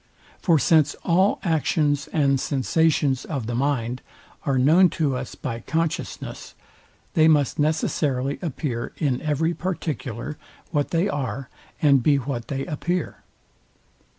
For since all actions and sensations of the mind are known to us by consciousness, they must necessarily appear in every particular what they are, and be what they appear.